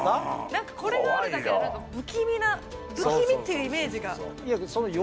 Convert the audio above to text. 何かこれがあるだけで不気味な不気味っていうイメージが。